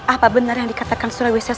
apa benar yang dikatakan surah wisya sah itu